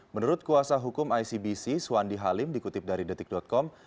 menurut kuasa hukum icbc suwandi halim dikutip dari detik com